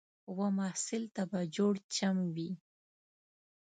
و محصل ته به جوړ چم وي